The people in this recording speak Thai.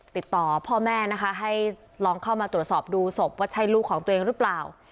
ติดต่อพ่อแม่นะคะให้ลองเข้ามาตรวจสอบดูศพว่าใช่ลูกของตัวเองหรือเปล่า